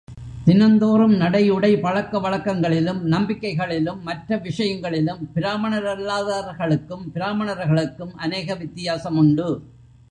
தினந்தோறும் நடை உடை பழக்க வழக்கங்களிலும் நம்பிக்கைகளிலும் மற்ற விஷயங்களிலும், பிராமணரல்லாதார்களுக்கும் பிராமணர்களுக்கும் அநேக வித்தியாசமுண்டு.